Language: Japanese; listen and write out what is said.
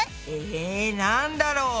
えなんだろう？